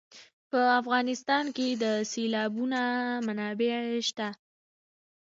په افغانستان کې د سیلابونه منابع شته.